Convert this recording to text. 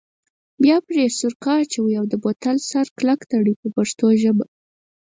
بیا پرې سرکه اچوئ او د بوتل سر کلک تړئ په پښتو ژبه.